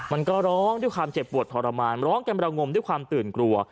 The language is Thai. มันก็ร้องด้วยความเจ็บปวดทรมานร้องกันระงมด้วยความตื่นกลัว